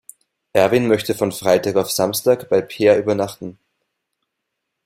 Erwin möchte von Freitag auf Samstag bei Peer übernachten.